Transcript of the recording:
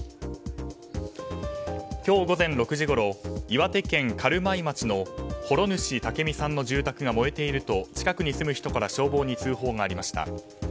今日午前６時ごろ岩手県軽米町の袰主竹美さんの住宅が燃えていると近くに住む人から消防に通報がありました。